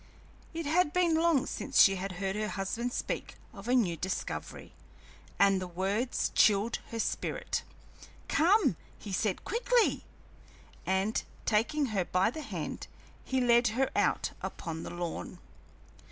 It had been long since she had heard her husband speak of a new discovery, and the words chilled her spirit. "Come," he said, "quickly!" And, taking her by the hand, he led her out upon the lawn.